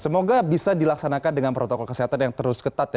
semoga bisa dilaksanakan dengan protokol kesehatan yang terus ketat